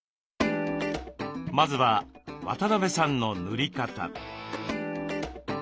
まずは渡邉さんの塗り方。